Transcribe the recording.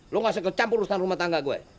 lu ga usah kecampur urusan rumah tangga gua